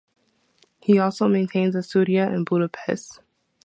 He also maintains a studio in Budapest.